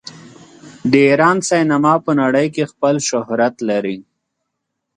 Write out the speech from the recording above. د ایران سینما په نړۍ کې خپل شهرت لري.